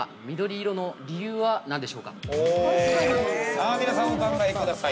◆さあ皆さん、お考えください。